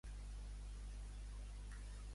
Al mestre li va semblar bell?